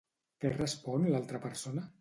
Què respon l'altra persona?